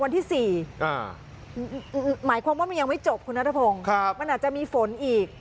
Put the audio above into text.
ที่๔หมายความว่ามันยังไม่จบคุณนัทพงศ์มันอาจจะมีฝนอีก